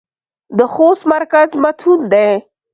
د خوست مرکز متون دى.